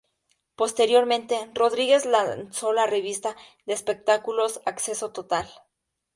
Posteriormente, Rodríguez lanzó la revista de espectáculos "Acceso Total".